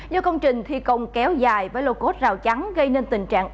do công trình thi công kéo dài với lô cốt rào chắn gây nên tình trạng